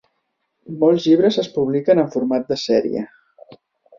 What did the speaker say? Molts llibres es publiquen en format de sèrie.